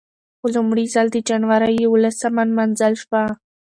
په لومړي ځل د جنورۍ یولسمه نمانځل شوه.